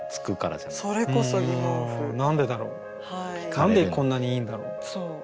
何でこんなにいいんだろう？